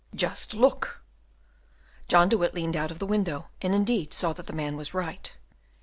"Just look!" John de Witt leaned out of the window, and indeed saw that the man was right.